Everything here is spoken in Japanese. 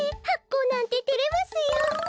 はっこうなんててれますよ。